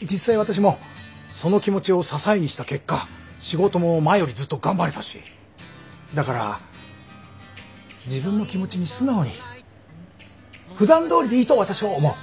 実際私もその気持ちを支えにした結果仕事も前よりずっと頑張れたしだから自分の気持ちに素直にふだんどおりでいいと私は思う。